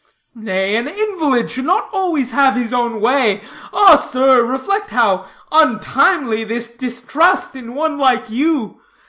"Nay, an invalid should not always have his own way. Ah, sir, reflect how untimely this distrust in one like you.